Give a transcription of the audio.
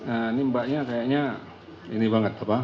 nah ini mbaknya kayaknya ini banget apa